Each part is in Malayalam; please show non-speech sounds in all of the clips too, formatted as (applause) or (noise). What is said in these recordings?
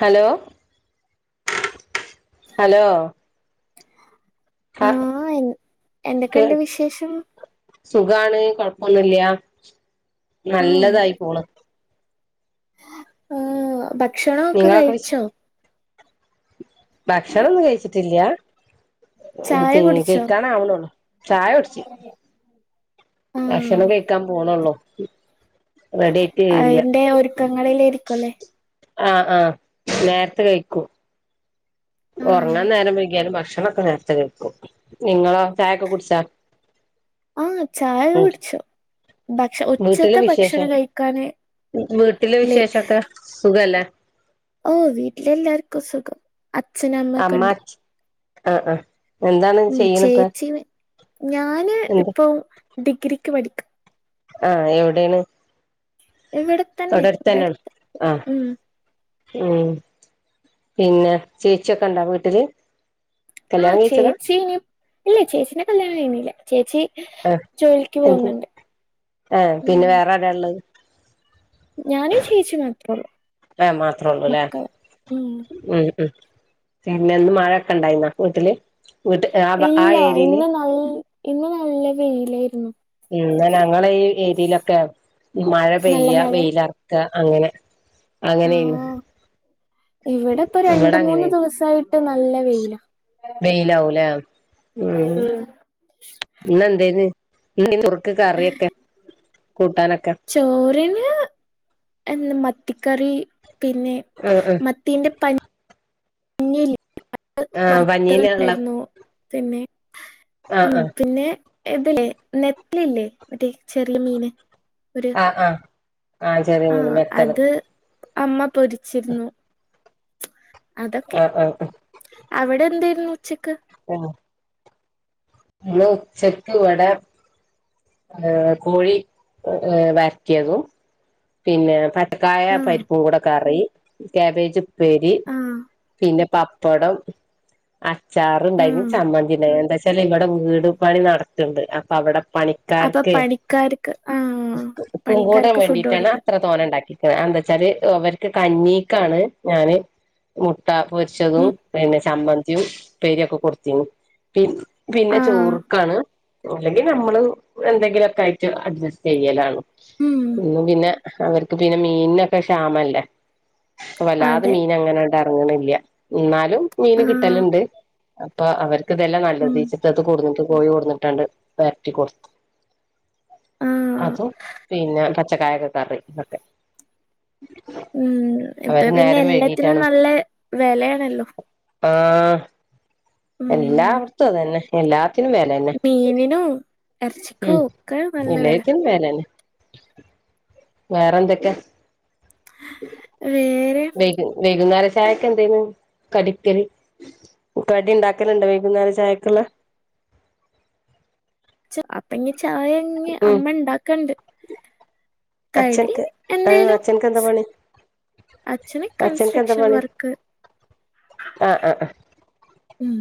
ഹലോ ഹലോ ആ ആഹ എ എന്തൊക്കെ കേ ഇണ്ട് വിശേഷം. സുഖാണ് കൊഴപ്പൊന്നുംല്ല നല്ലതായി പോണ്. ആ ഭക്ഷണ ഒക്കെ നിങ്ങളൊക്കെ വിശേ കഴിച്ചോ. ഭക്ഷണൊന്നും കഴിച്ചിട്ടില്ല. ചായ പി കുടിച്ചോ കഴിക്കാൻ ആവുന്നേള്ളൂ ചായ കുടിച്ചു. ആഹ് ഭക്ഷണം കഴിക്കാൻ പോണള്ളോ? അയിൻ്റെ ഒരുക്കങ്ങളിലായിരിക്കുംല്ലേ? ആഹ ആഹ നേരത്തെ കഴിക്കൂ. ആഹ് ഉറങ്ങാൻ നേരം വൈകിയാലും ഭക്ഷണം ങ്ങളൊക്കെ നേരത്തെ കയ്ക്കും. നിങ്ങളോ ചായയൊക്കെ കുടിച്ചാ? ആഹ ചായ ഉം കുടിച്ചു. ഭക്ഷ വീട്ടിലെ ഒച്ചത്തെ വിശേഷം ഭക്ഷണം കഴിക്കൻനേ വീട്ടിലെ ല്ലേ വിശേഷൊക്കെ സുഖല്ലേ ഓ വീട്ടിലെല്ലാർക്കും സുഖം. അച്ഛനും അമ്മക്കെ ഉണ്ട്. ആഹ ആഹ ഉം ചേച്ചി ഞാന് എന്ത് ഇപ്പ ഡിഗ്രിക്ക് പഠിക്കും. ആഹ എവിടെയാണ്. ഇവിടെത്തന്നെ. തൊട്ടടുത്തന്നെയാണ് ഇവിടെടുത്ത് ആഹ് ഉം? ഉം പിന്നെ ചേച്ചിയൊക്കെ ഇണ്ടാ വീട്ടില്? ആഹ കല്യാണം കഴിച്ചതാ ചേച്ചീ ഇനി ഇല്ല ചേച്ചിൻ്റെ കല്യാണം കഴിഞ്ഞിനില്ല ചേച്ചി ആഹ് ജോലിക്ക് എന്ത് പോകുന്നുണ്ട്. ആഹ് ഉം പിന്നെ വേറെ ആരാ ഉള്ളത് ഞാനും ചേച്ചി മാത്രേള്ളൂ. ആഹ് മാത്രേ മ ക്കള് ഉം മ് പിനെന്നു മഴൊക്കെ ഇണ്ടായിന്നാ വീട്ടില്? വീട്ട് ആ ആ ഇല്ല ഏരിയയില് ഇന്ന് നല് ഇന്ന് നല്ല വെയിലായിരുന്നു. ഇന്നലെ ഞങ്ങടെ ഈ ഏരിയയിലൊക്കെ മഴ നല്ല പെയ്യ മഴ വെയിലറക്ക അങ്ങനെ ആ അങ്ങനെയന്ന് ഇവിടെ ഇപ്പൊ രണ്ട്, ഇവിടെ മൂന്ന് അങ്ങനെയ ദിവസായിട്ട് നല്ല വെയില. മ്. ഇന്ന്എന്തേര്ന്ന്. ഇന്ന് എന്തേര്ന്ന് ചോർ ക്. കറിയൊക്കെ കൂട്ടാനൊക്കെ ചോറിന്. എന്ന്. മത്തിക്കറി പിന്നെ. ആഹ് ഹ്. ആഹ് മത്തീന്റെ പ. പഞ്ഞീല്ല്യ (unintelligible) ആഹ് പഞ്ഞീനുള്ള വർത്തണ്ടായിരുന്നു പിന്നെ. ആഹ് ഉം. ആഹ് പിന്നെ ഇതിലേ. നെതലില്ലേ. മറ്റേ ചെറിയ മീന് ഒരു ആഹ, ആഹ്, ചെറിയ ആ മീൻ മെത്തള് അത് അമ്മ പൊരിച്ചിരുന്നു. അതൊക്കെ. ആഹ് ആഹ് അവിടെന്തെര് ന്ന്. ഉച്ചക്ക് ഇന്ന്ച്ചെക്ക്. വെടെ ഏ, കോഴി. ഹ്. വെർട്ടിയെതും പിന്നേം. പച്ചക്കായ. ആ പരിപ്പും. കൂടെ. കറി കാബേജ്. പ്പ് പ്പേരി. ആ പിന്നെ. പപ്പടം. അ ചാറുണ്ടായി. ആ ചമ്മന്തിണ്ടയിരിന്നു. എന്താ ച്ചാല് ഇവിടെ വീട് പണി നടത്തണ്ട് അപ്പൊ അവിടെ അപ്പൊ പണിക്കാർക്കെ. പണിക്കാർക്ക് ആഹ് ഉക്കും കുടെ. പണിക്കാർക്ക് മേണ്ടി ഫുഡ് ന്നാ. കൊടുക്ക (unintelligible) അത്ര തോണ ഉണ്ടാക്കിക്ണ്‌. എന്താച്ചാല്. അവർക്ക് കഞ്ഞീക്കാണ് ഞൻ. മു ട്ട പൊരിച്ചതും. ഉം പിന്നെ. ചമ്മന്തിമ്‌ പ്പേരിയൊക്കെ. കൊടുത്തിര്ന്നു. പിന്നെ ആഹ് ചോർക്കാണ്. അല്ലെങ്കിൽ. നമ്മള് എന്തെങ്കിലുക്കെ. ആയി അട്ജസ്റ്റ്. ചെയലാണ്. ഉം ഇന്നും പിന്നെ. അവർക്ക് പിന്നെ. മീൻനൊക്കെ. ക്ഷാമല്ലേ പ്പ. വല്ലാതെ അതെ മീൻ അങ്ങനെണ്ട് ഇറങ്ങണില്ല എന്നാലും മീന് ആഹ് കിട്ടലുണ്ട് അപ്പൊ. അവർക്ക് തല്ലേ ഉം നല്ലതീച്ചിട്ട്. ത്. കോഴി കൊടന്നിട്ട്. വരട്ടികൊടുത്തു ആഹ് അതും. പിന്നെ. പച്ചകയൊക്കെ. കറി തൊക്കെ ഉം, ഇപ്പൊ, പിന്നെ വൈകീട്ടാണ് എല്ലാത്തിനും നല്ല വേലെണല്ലോ. ആ, എല്ലാട്ത്തും. അതന്നെ. എല്ലാ ത്തിനും. വേലന്നെ. മീനിനും എറച്ചിക്കും മ്. ഒക്കെ നല്ല വെല എല്ലെത്തിനും വേലന്നെ. വേറെ. എന്തൊക്കെ ഹ്, വേറെം വൈകുന്നേര ചായക്കെന്തേന്ന് കടിക്കൽ കടി. ണ്ടാക്കലുണ്ട. വൈകുന്നേര ചായക്ക്ള്ള ച്. അപ്പഞ്ഞി. ചായങ്ങ്യ. ഉം അമ്മ ണ്ടാക്കണ്ട് കടി. അച്ഛൻക്ക് ആഹ് എന്തെേലും. അച്ഛൻക്ക് എന്താ സ് പണി അച്ചന്. അച്ഛൻക്ക് എന്താ കൺസ്ട്രക്ഷൻ. പണി വർക്ക് ആഹ് ആഹ് ആഹ് ഉം,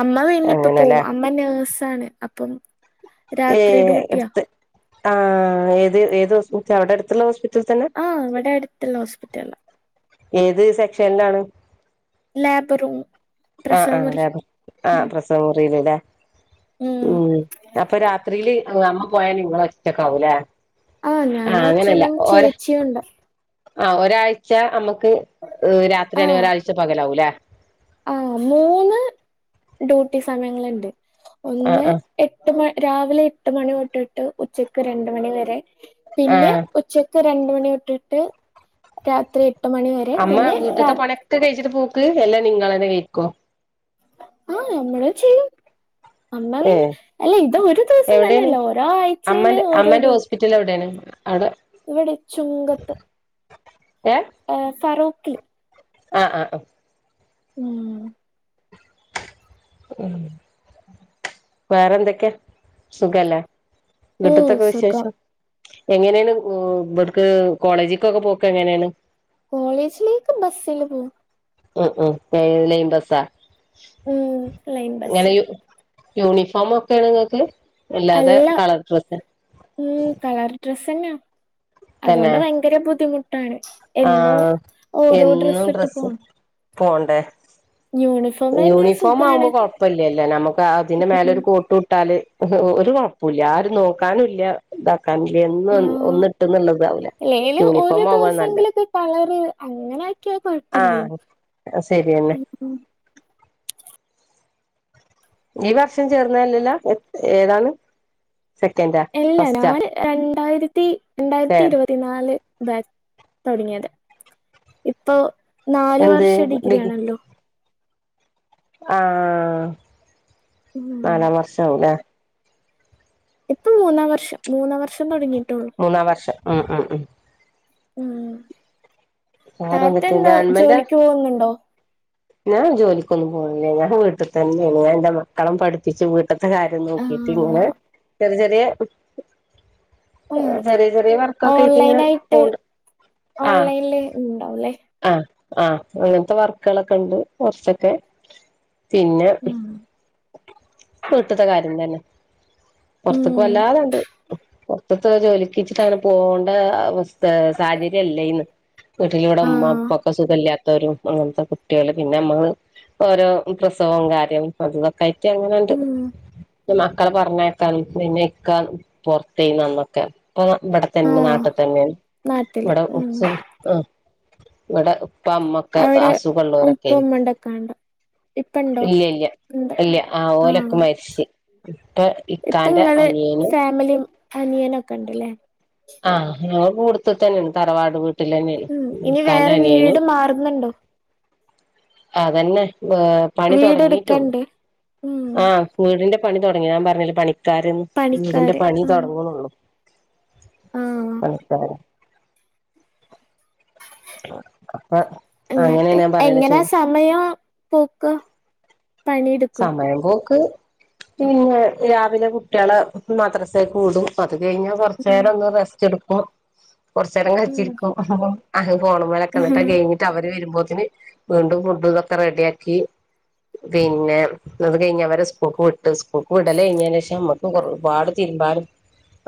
അമ്മ. പിന്നെ അങ്ങനെല്ലേ ഇപ്പപോവും അമ്മ നേഴ്സാണ്. അപ്പം ഏ, രാത്രി ഡ്യൂട്ടിയാ ടുത്ത്. ആ, ഏത്.. ഏത്. ഹോസ്. അവിടെ അടുത്തുള്ള ഹോസ് പി ആഹ. ഇവിടെ. അടുത്തുള്ള ഹോസ്പിറ്റല്ല ഏത്. സെക്ഷൻലാണ് ലാബ്റൂം ആഹ. ലേബർ ആ. ആ. പ്രസവമുറിലല്ലേ ഉം, അപ്പൊ രാത്രിയില് അമ്മ പോയാല് ങ്ങള് ഒറ്റക്കാവുലെ ആഹ. ഞാനു. അച്ഛനും. ചേച്ചിയും ഉണ്ട ആ ഒരാഴ്ച അമ്മക്ക്. ഹ്. രാത്രിയാണ്. ഒരാഴ്ച പകലാവൂലേ ആ, മൂന്ന്. ഡ്യൂട്ടി. സമയങ്ങള്ണ്ട്. ആ ഒന്ന്. ആ എട്ട്. മ രാവിലെ എട്ട്. മണി. തൊട്ടിട്ട്. ഉച്ചക്ക് രണ്ട്. മണി. വരെ ആ പിന്നെ. ഉച്ചക്ക് രണ്ടു. മണി. തൊട്ടിട്ട് രാത്രി എ അമ്മ, വീട്ട്ത്തെ പണിക്കെ കഴിച്ചിട്ട് പോക്ക്. എല്ല നിങ്ങളന്നെ കെയ്ക്കോ ആഹ്, നമ്മൾ. ചെയ്യു അമ്മ, ഏ പിന്നെ അല്ല ഇത് ഒരു ദിവസം എവിടെയാണ് തന്നെയല്ല ഓരോ ആഴ്ചയില് അമ്മന്റെ ഓരോ അമ്മന്റെ ഡൂട്ടി ഹോസ്പിറ്റൽ എവിടെയാണ് അവിടെ ഇവിടെ. ചുങ്കത്ത് ആ ഫറൂഖിൽ. ആഹ് ആഹ് ആഹ് ഉം ഉം വേറെന്തൊക്കെ സുഖെല്ലേ ഓ എന്ന്ത്തൊക്കെ സുഖം വിശേഷം എങ്ങനേണ് ഇവിട്ക്ക് കോളേജ് ക്കൊക്കെ പോക്ക് എങ്ങനേണ് കോളേജിലേക്ക് ബസില് പോവും ഉ ഉ ലൈൻ ബസാ ഉം ലൈൻ ബസ്സിൽ യൂണിഫോം ഒക്കെയാണ് ഇങ്ങക്ക് അല്ല ഉം കളർ ഡ്രസ്സ് തന്നെ അതുകൊണ്ട് ഭയങ്കര ബുദ്ധിമുട്ട് ട്ടാണ് എന്നോ ആഹ് ഓരോ ഡ്രസ്സ് ഇട്ട് പോണം. പോണ്ടേ യൂണിഫോം തന്നെ യൂണിഫോം ആവുമ്പ സുഖാണ് കൊഴപ്പ ഇല്ലല്ലൊ. നമക്ക് അതിന്റെ ഉം മേലൊരു കോട്ട് ഇട്ടാല് ഒരു കൊഴപ്പൂല ആരും നോക്കാനൂല്ല ഇതാ എന്നും ആഹ് ഒന്ന് ഇട്ട്ന്നുള്ളതാവല അല്ലേല് ഒരു യൂണിഫോം ആവ്വാ നല്ലേ- ക്യാ കൊഴപ്പല്ലൃ- ശരി എന്നേ- ഈ വർഷം ചേർന്നല്ലല്ല ഏതാണ്. സെക്കൻഡാ എല്ലടാ ഫസ്റ്റാ രണ്ടായിരത്തി രണ്ടായിരത്തി തേർഡ് ഇരുപത്തി നാല്- തുടങ്ങിയത് ഇപ്പൊ നാല് എന്ത് വർഷ ഡിഗ്രി ആണല്ലോ- ആഹ ഉം നാലാം വർഷ ആവലേ? ഇപ്പ മൂന്നാം വർഷം മൂന്നാം വർഷം തൊടങ്ങി- മൂന്നാം വർഷം ഉം ഉം ഉം- ഉ താത്തെ വേറെന്തൊക്കെ എന്താ ഗവൺമെന്റ് ജോലിക്ക് പോകുന്നുണ്ടോ? ഞാൻ ജോലിക്കൊന്നും. പോകുന്നില്ലേ ഞാൻ വീട്ടിൽ തന്നെയാണ്. ഞാൻ എന്റെ മക്കളെ പഠിപ്പിച്ചു ഇത്തെ കാര്യം നോക്കിട്ട് ഇങ്ങനെ ആഹ് ചെറിയ ചെറിയ ഉം ചെറിയ ചെറിയ വർക്കൊക്കെ ആയിട്ടിങ്ങനെ ഓൺലൈനായിട്ട് പോണ്ട്- ആഹ് ഓൺലൈനില് ഉണ്ടാവുംല്ലേ- ആഹ് ആഹ് അങ്ങനത്തെ വർക്കുകളൊക്കെ ഉണ്ട് കുറച്ചൊക്കെ- പിന്നെ ഉം വീട്ടത്തെ കാര്യം തന്നെ- ഉം പൊറ്ത്തേക്ക് വല്ലാതണ്ട്- പുറത്തേക്ക് ജോലിക്ക് വിട്ട് പോകേണ്ട അവസ്ഥ സാഹചര്യം അല്ലേ യിന്ന്- വീട്ടില ഇവിടെ ഉമ്മാക്കും ആഹ് ഉപ്പാക്കും സുഖമല്ലാത്തവരും അങ്ങനത്തെ കുട്വേള് പിന്നെ നമ്മള് ഓരോ പ്രസവവും കാര്യവും അത് തൊക്കെ ആയിട്ട് അങ്ങനെണ്ട്- ഉം മക്കളെ പറഞ്ഞേക്കാ പിന്നെ ഇക്ക പൊറത്തയ് നന്നൊക്കെ ഇപ്പൊ ഇവിടെ തന്നെ ആഹ് നാട്ടിൽ തന്നെ നാട്ടില് ഇവിടെ ഉം ഉത്സ ആഹ് ഇവിടെ- ഉപ്പ ഉമ്മക്കെ ആസ് ഉപ്പമ്മണ്ടക്കണ്ട (unintelligible) ഇപ്പണ്ടോ ഇല്ല ഇല്ല ഇല്ല ഓലൊക്കെ ആഹ് - മരിച്ച് ഇപ്പൊ ഇക്കാന്റെ ഇപ്പങ്ങള് അനിയനും ഫാമിലിയും അനിയനുംക്കെ ഉണ്ട്ല്ലേ? ആഹ് ഞങ്ങള് കൂടുത്ത് തന്നെയ തറവാട് വീട്ടിൽ തന്നെയ ഉം ഇനി വേറെ വീട് ഇക്കൻൻ്റനിയനും- മാറുന്നുണ്ടോ അതന്നെ ഏ പണി തുടങ്ങിട്ടുള്ളൂ വീടെടുക്കണ്ട് ഉം ആ വീടിന്റെ പണി തൊടങ്ങി ഞാൻ പറഞ്ഞില്ല പണിക്കാര വീടിന്റെ പണിക്കാര് പണി ഉം തൊടങ്ങുന്നുള്ളു- ആഹ് പണിക്കാര അപ്പ അങ്ങനെയ ഞാൻ പറയല ചോ- പോക്ക സമയം പോക്ക് പിന്നെ രാവിലെ കുട്ടികള് മദ്രസെ കൂടും പ അത് കഴിഞ്ഞ് കൊറച്ച് ഉം നേരം ഒന്ന് റെസ്റ്റ് എടുക്കും കൊറച്ച് നേരം കളിച്ചിരിക്കും- ഫോൺ മേലെക്കെന്നിട്ട് ഉം കയിഞ്ഞിട്ട് അവര് വരുമ്പോ വീണ്ടും ഫുഡും ഇതോക്കെ റെഡി ആക്കി പി പിന്നെ അത് കഴിഞ്ഞ് അവരെ സ്കൂൾക്ക് വിട്ട് സ്കൂൾക്ക് വിടല് കഴിഞ്ഞെഞ്ഞ് ശേഷം നമ്മുക്ക് ഒരുപാട് തിരുമ്പാലും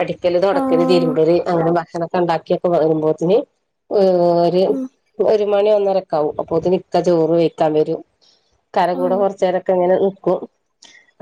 അടിക്കല് തുടക്കല് ആഹ് തിരുമ്പല് അങ്ങനെ ഭക്ഷണം ഉണ്ടാക്കിയൊക്കെ വരുമ്പോത്തേന് ഒരു ഉം ഒരു മണി ഒന്നരക്കാവും അപ്പൊത്തേന് ഇക്ക ചോറ് വെത്തൻ വരും ഇക്കാടെ കൂടെ ആഹ് കുറ ച്ചേരൊക്കെ ഇങ്ങനെ നിക്കും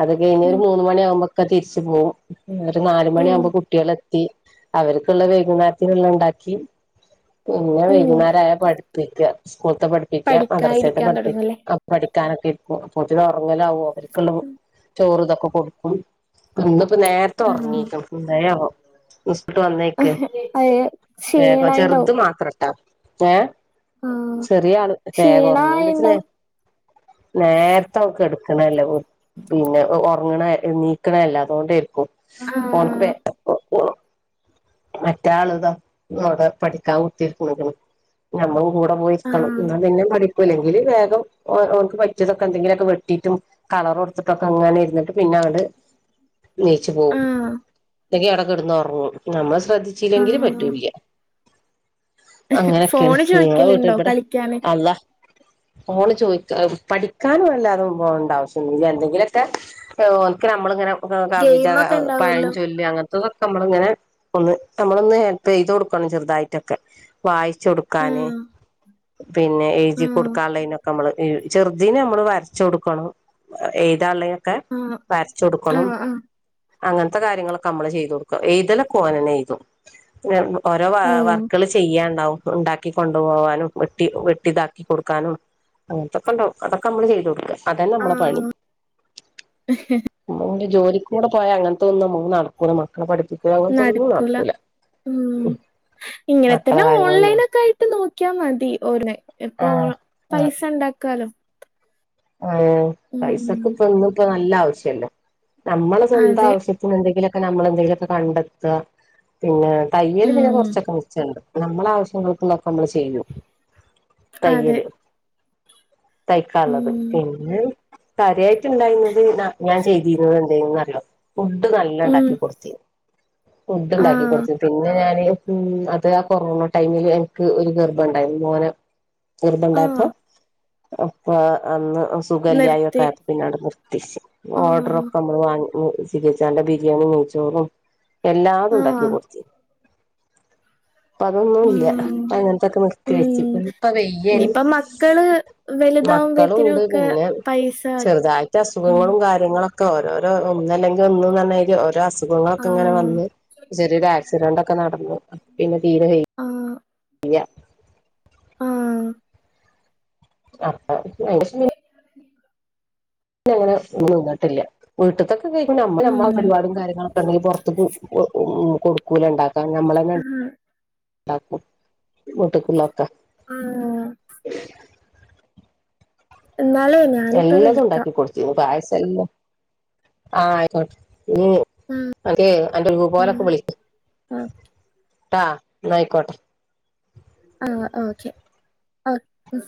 അത് കഴിഞ്ഞ് ഒരു ഉം മൂന്ന് മണിയകുമ്പോ ഇക്ക തിരിച്ചു പോകും ഒരു നാല് ഉം മണിയകുമ്പോ കുട്ടികള് എത്തി അവർക്കുള്ള വൈകുനേരത്തിനുള്ള ഉണ്ടാക്കി പിന്നെ ഉം വൈകുന്നെരായ പഠിപ്പിക്കുക സ്കൂൾത്തെ ' പഠിപ്പിക്കുക മദ്രസെത്തെ പഠിക്കാതിരിക്കാൻ പഠിപ്പി തൊടങ്ങുല്ലേ ആഹ് പഠി പ്പിക്കാനൊക്കെ ഇക്കും അപ്പോത്തേന് ഉറങ്ങലാവും അവർക്കുള്ള ചോറ് ഇതൊക്കെ കൊടുക്കും തിന്നു ഇപ്പൊ നേരത്തെ ആഹ് ഉറങ്ങിക്കും എന്തെയാവോ നിസ് ഇക്ക വന്നേക്ക് അത് ഏഹ് ക്ഷീണായിണ്ടാവും ചെറുത് മാത്രെട്ടോ ഏഹ് ആഹ് ചെറിയ ആള് വേഗ ഉറങ്ങിണ്ടച്ച നേ ക്ഷീണായിണ്ടാവും നേർ കിടാക്കാണെല്ലോ പിന്നെ ഉറങ്ങണ നീക്കണേല്ല അതുകൊണ്ട് ക്കും ഓൾക്ക് ആഹ് (unintelligible) മറ്റാള് ഇതാ ഇവിടെ പഠിക്കാൻ കുത്തിരിക്കണ നമ്മൾ കൂടെ പോയിരിക്കണം ആഹ് എന്നാ പിന്നെ പഠിക്കുലാ എങ്കിൽ വേഗം ഓൾക്ക് പറ്റിയതൊക്കെ എന്തെങ്കിലും ഒക്കെ വെട്ടിട്ടും കളർ കൊടുത്തിട്ടൊക്കെ ഇങ്ങനെ ഇരുന്നിട്ട് പിന്നെ അവിള് ഇണിച്ച് പോവും ആഹ് ഇല്ലെങ്കിൽ അടെക്കിടന്ന് ഉറങ്ങും നമ്മൾ ശ്രദ്ധിച്ചില്ലെങ്കില് ആഹ് പറ്റൂല്ല അങ്ങനെയൊക്കെയാണ് ഫോണ് നിങ്ങളെ വീട്ട ചോയിക്കലുണ്ടോ ഇവിടെ കളിക്കാന് അല്ലാഹ് ഓള് ചോയിക്ക പഠിക്കാനും അല്ല ഉണ്ടാവശ്യ എന്തെങ്കിലൊക്കെ ഒൻക്ക് നമ്മളിങ്ങനെ കവിത ഗെയിമൊക്കെ ഇണ്ടാവല്ലോ പഴഞ്ചൊല്ല് അങ്ങന അതൊക്കെ നമ്മളിങ്ങനെ ഒന്ന് നമ്മളൊന്ന് ഹെൽപ്പ് ചെയ്ത് കൊടുക്കണം ചെറുതായിട്ടൊക്കെ വായി ച്ചുടുക്കാന് ഉം പിന്നെ എഴ്‌തി ഉം കൊടുക്കാള്ളോതിനൊക്കെ നമ്മള് ചെറുതിനെ നമ്മള് വര ച്ച് കൊടുക്കണം എഴതള്ളെക്കെ ആഹ് വരച്ച് കൊടുക്കണം ആഹ് ആഹ് അങ്ങനത്തെ കാര്യങ്ങളൊക്കെ നമ്മള് ചെയ്തു കൊടുക്കും എഴുതലൊക്കെ ഓനാന്നെ എയ്തും പിന്നെ ഓരോ വ ഓഹ് വർക്കുകൾ ചെയ്യാണ്ടാവും ഉണ്ടാക്കി കൊണ്ടുപോവാനും വെട്ടി വെട്ടിതാക്കി കൊടുക്കാനും അങ്ങനത്തെ ഒക്കെ ഉണ്ടാവും അതൊക്കെ നമ്മള് ചെയ്ത് വിടും അതണ് നമ്മളെ ആഹ് പണി ജോലിക്കൂടെ പോയാ അങ്ങനത്തൊന്നും നമ്മക്ക് നടക്കൂല്ല മക്കളെ പഠിപ്പിക്കൂ അങ്ങനത്തൊന്നും നടക്കൂല ഉം ഇങ്ങനെ മക്കളെ തന്നെ കാര്യങ്ങളൊന്നും ഓൺലൈൻ ഒക്കെ ആയിട്ട് നോ ക്കിയ മതി ഓനെ ഇപ്പൊ ആഹ് ആഹ് പൈസ ഉണ്ടാക്കാലോ ആഹ് പൈസക്ക് ഇപ്പ ഇന്ന് ഇപ്പ നല്ല ആവശ്യല്ല നമ്മളെ സ്വന്തം അതെ. ആവശ്യത്തിന് എന്തെങ്കിലും ക്കെ നമ്മൾ എന്തെങ്കിലുവൊക്കെ കണ്ടെത്തുക പിന്നെ തയ്യൽ പിന്നെ ഉം. കുറച്ചൊക്കെ മിച്ചണ്ട് നമ്മളെ ആവശ്യങ്ങക്കലോക്കെ നമ്മള് ചെയ്യു അതെ. തയ്യല് തൈക്കള്ളത് ഉം. പിന്നെ കാര്യായിട്ടുണ്ടായിന്നത് ഞാൻ ചെയ്തിന്നത് എന്തേയിന്നു അറിയോ ഫുഡ് നല്ല ഉം. ഉണ്ടാക്കി കൊടുത്തി ഫുഡ് ഉണ്ടാക്കി ആഹ്. കൊടുത്തു പിന്നെ ഞാൻ ഉം അത് ആഹ് കൊറോണ ടൈമില് എനിക്ക് ഒരു ഗർഭോണ്ടായി മോനെ ഗർഭോണ്ടയപ്പോ ആഹ്. അപ്പൊ അന്ന് സുഖല്യായ ഒക്കെ നിർത്തി. ആയപ്പോ പിന്നെ അങ്ങട് നിർത്തിച്ചു ആഹ്. ഓർഡറൊക്കെ നമ്മള് വാങ്ങി ചിരിച്ചാന്റെ ബിരിയാണിം നെയ്ച്ചോറും എല്ലാതും ഉണ്ടാക്കി ആഹ്. കൊടുത്തി ഇപ്പ അതൊന്നും ഇല്ല ഉം. ഇപ്പ അങ്ങനത്തൊക്കെ നിർത്തി വെച്ചു ഇപ്പ വെയ്യാലും (unintelligible) വലുതാവു ഉണ്ട് പിന്നെ ചെറുതായിട്ട് ഉം. അസുഖങ്ങളും കാര്യങ്ങളും ഒക്കെ ഓരോരോ ഒന്നല്ലെങ്കിൽ ഒന്ന് പറഞ്ഞമാതിരി അസുഖങ്ങളൊക്കെ ഇങ്ങനെ ആഹ്. വന്ന്, ചെറിയൊരു ആക്സിഡന്റ് ഒക്കെ നടന്നു, പിന്നെ തീരെ വെയ്യ ആഹ്. വെയ്യ ഉം അപ്പൊ പിന്നങ്ങനെ ഒന്നുതിന്നിട്ടില്ല, വീട്ടത്തെ നമ്മടെ ഉം. പരിപാടും കാര്യങ്ങളൊക്കെ ഉണ്ടെങ്കിൽ പുറത്ത കൊടുക്കൂല, ണ്ടാക്ണത്. ഞമ്മളന്നെ ആഹ്. ണ്ടാക്കും വീട്ടിക്കുള്ള ആ എന്നാലേ ഞാനിപ്പ എല്ലാതും വിളിക്കാം. ഉണ്ടാക്കി കൊടുത്തിന്, പായസം ല്ലെ, ആഹ ആയിക്കോട്ടെ ഉം. അതേ അന്റെ പോലൊക്കെ ആഹ്. വിളിക്ക്ട്ടാ, എന്നാ ആയിക്കോട്ടെ ആ ഓക്കെ ഓക്കേ